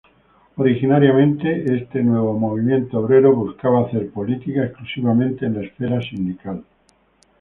Originariamente, este nuevo movimiento obrero buscaba hacer política exclusivamente en la esfera sindical.